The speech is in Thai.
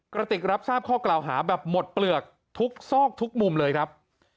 กระติกรับทราบข้อกล่าวหาแบบหมดเปลือกทุกซอกทุกมุมเลยครับ